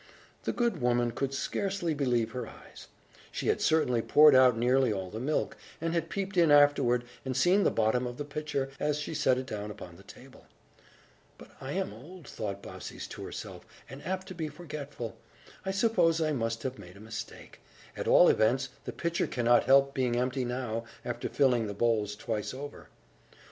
The good woman could scarcely believe her eyes. She had certainly poured out nearly all the milk, and had peeped in afterward, and seen the bottom of the pitcher, as she set it down upon the table. "But I am old," thought Baucis to herself, "and apt to be forgetful I suppose I must have made a mistake. At all events, the pitcher cannot help being empty now, after filling the bowls twice over."